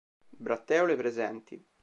Bratteole presenti.